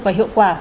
và hiệu quả